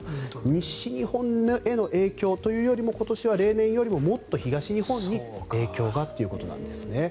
西日本への影響というよりも今年は例年よりももっと東日本に影響がということなんですね。